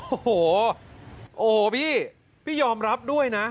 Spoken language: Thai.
โอ้โหพี่พี่ยอมรับด้วยนะ